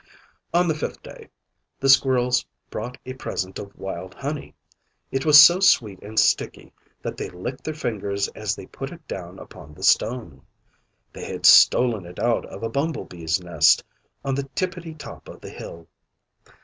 On the fifth day the squirrels brought a present of wild honey; it was so sweet and sticky that they licked their fingers as they put it down upon the stone. They had stolen it out of a bumble BEES' nest on the tippity top of the hill.